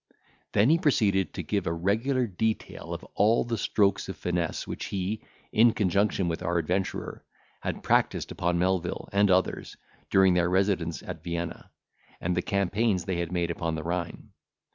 Then he proceeded to give a regular detail of all the strokes of finesse which he, in conjunction with our adventurer, had practised upon Melvil and others, during their residence at Vienna, and the campaigns they had made upon the Rhine.